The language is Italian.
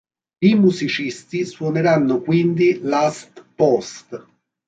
I musicisti suoneranno quindi "Last Post".